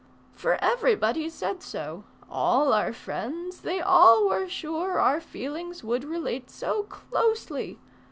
"For everybody said so, all our friends, They all were sure our feelings would relate So closely!